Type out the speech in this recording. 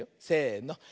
せの。